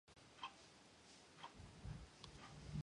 The company focuses solely on various kinds of racing games.